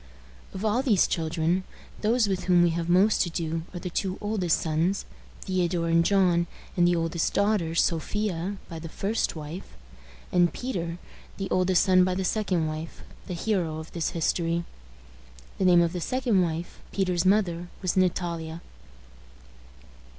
Of all these children, those with whom we have most to do are the two oldest sons, Theodore and John, and the oldest daughter, Sophia, by the first wife; and Peter, the oldest son by the second wife, the hero of this history. The name of the second wife, Peter's mother, was Natalia.